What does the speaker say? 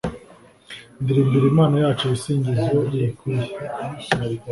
ndirimbira imana yacu ibisingizo biyikwiye